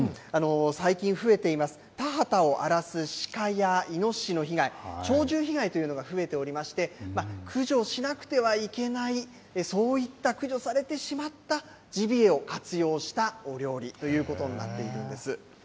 最近増えています、田畑を荒らすシカやイノシシの被害、鳥獣被害というのが増えておりまして、駆除しなくてはいけない、そういった駆除されてしまったジビエを活用したお料理ということになっているんです。